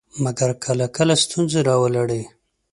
مګر کله کله ستونزې راولاړوي.